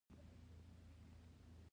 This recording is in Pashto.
هغه مشر ورور اووه زامن درلودل.